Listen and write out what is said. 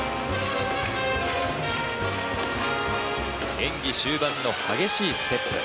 演技終盤の激しいステップ。